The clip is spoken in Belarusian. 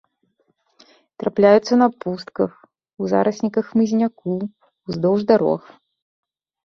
Трапляюцца на пустках, у зарасніках хмызняку, уздоўж дарог.